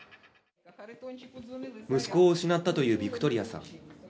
息子を失ったというビクトリアさん。